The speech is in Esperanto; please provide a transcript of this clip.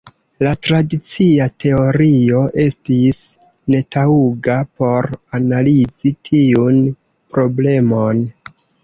La tradicia teorio estis netaŭga por analizi tiun problemon.